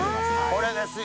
これですよ。